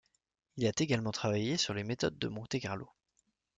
Il a également travaillé sur les méthodes de Monte-Carlo.